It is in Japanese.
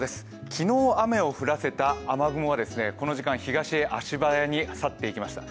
昨日、雨を降らせた雨雲はこの時間、東へ足早に去っていきました。